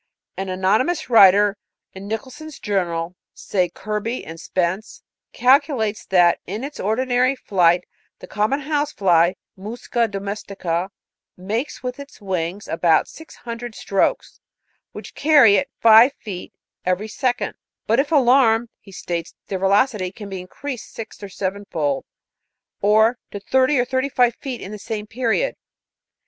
'An anonymous writer in Nicholson's Journal,' say Kirby and Spence, ' calcu lates that in its ordinary flight the common house fly (Masca domestica) makes with its wings about six hundred strokes, which carry it five feet, every second ; but if alarmed, lie states their velocity can be increased six or seven fold, or to thirty or thirty five feet in the same period.